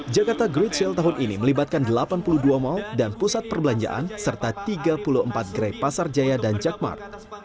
jakarta great sale tahun ini melibatkan delapan puluh dua mal dan pusat perbelanjaan serta tiga puluh empat gerai pasar jaya dan jakmar